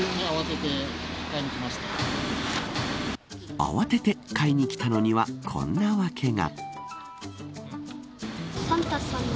慌てて買いにきたのにはこんな訳が。